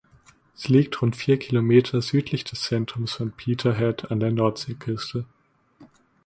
Sie liegt rund vier Kilometer südlich des Zentrums von Peterhead an der Nordseeküste.